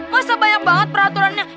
masa banyak banget peraturannya